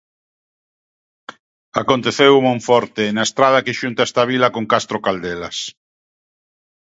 Aconteceu en Monforte, na estrada que xunta esta vila con Castro Caldelas.